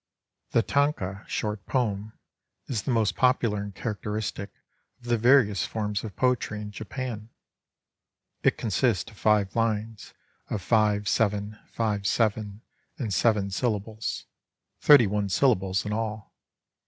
The Tanka (short poen) is the moat popular and characteristic of the various forms of poetry in Japan. It consists of five lines of 5,7 t 5,7, and 7 syllables 31 syllables in all.